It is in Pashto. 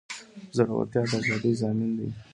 زړورتیا د ازادۍ ضامن دی.